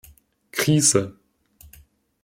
Krise!